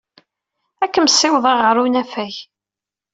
Ad kem-ssiwḍen ɣer unafag.